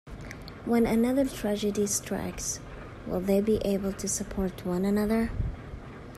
When another tragedy strikes, will they be able to support one another?